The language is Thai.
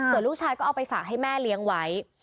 ส่วนลูกชายก็เอาไปฝากให้แม่เลี้ยงไว้